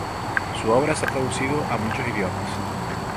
Su obra ha sido traducida a muchos idiomas.